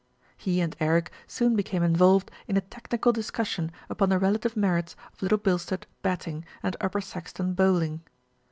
He and Eric soon became involved in a technical discussion upon the relative merits of Little Bilstead batting and Upper Saxton bowling.